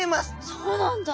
そうなんだ。